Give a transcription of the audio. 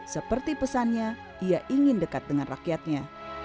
seperti pesannya ia ingin dekat dengan rakyatnya